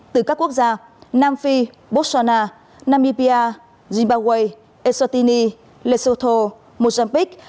từ các quốc gia nam phi botswana namibia zimbabwe esotini lesotho mozambique